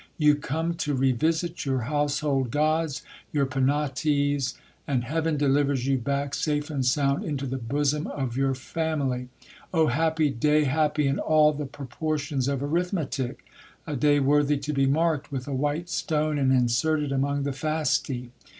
You come to revisit your household gods, your Penates, and heaven delivers you back safe and sound into the bosom of your family. Oh happy day, happy in all the proportions of arithmetic ! A day worthy to be marked with a while stone and inserted among the Fasti